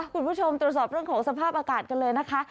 คุณผู้ชมตรวจสอบเรื่องของสภาพอากาศกันเลยนะคะ